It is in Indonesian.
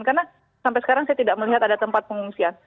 karena sampai sekarang saya tidak melihat ada tempat pengungsian